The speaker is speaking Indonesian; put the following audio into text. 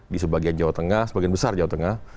di sebagian jawa tengah sebagian besar jawa tengah